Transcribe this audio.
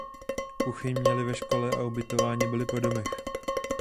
Kuchyň měli ve škole a ubytováni byli po domech.